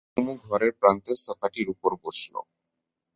কুমু ঘরের প্রান্তের সোফাটির উপরে বসল।